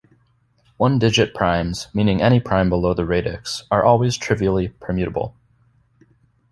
One-digit primes, meaning any prime below the radix, are always trivially permutable.